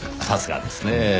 さすがですねぇ。